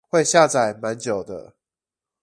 會下載蠻久的